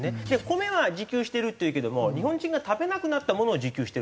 米は自給してるっていうけども日本人が食べなくなったものを自給してるだけで。